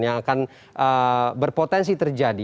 yang akan berpotensi terjadi